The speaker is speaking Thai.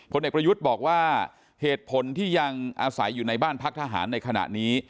เด็กประยุทธ์บอกว่าเหตุผลที่ยังอาศัยอยู่ในบ้านพักทหารในขณะนี้